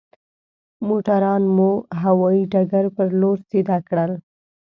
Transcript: موټران مو هوايي ډګر پر لور سيده کړل.